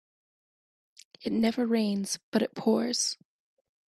It never rains but it pours.